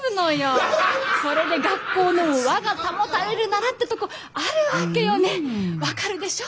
それで学校の和が保たれるならってとこあるわけよねっ分かるでしょ？